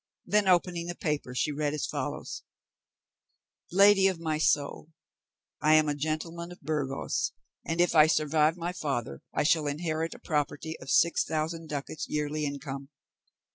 Then, opening the paper, she read as follows:— "Lady of my soul, I am a gentleman of Burgos; and if I survive my father, I shall inherit a property of six thousand ducats yearly income.